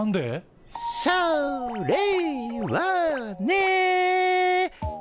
それはね。